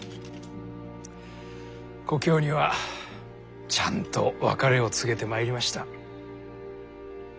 故郷にはちゃんと別れを告げてまいりました。